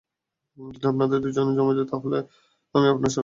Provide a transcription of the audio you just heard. যদি আপনাদের দুজনের জমে যায়, তাহলে আমি আপনার শালি হবো।